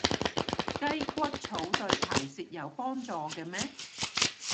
雞骨草對排泄有幫助嘅咩？